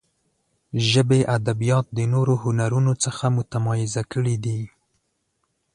ژبې ادبیات د نورو هنرونو څخه متمایزه کړي دي.